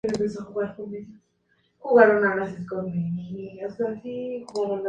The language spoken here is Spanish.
El nombre original del juego es Gallitos.